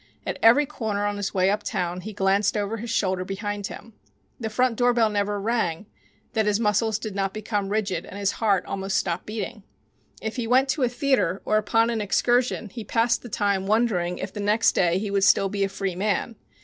At every corner on his way uptown he glanced over his shoulder behind him. The front doorbell never rang that his muscles did not become rigid and his heart almost stop beating. If he went to a theatre or upon an excursion he passed the time wondering if the next day he would still be a free man.